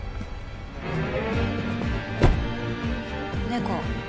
猫。